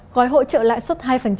gói hỗ trợ lãi suất hai